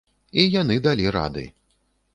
І яны далі рады.